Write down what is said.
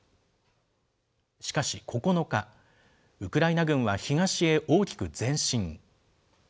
しかし、９日、ウクライナ軍は東へ大きく前進。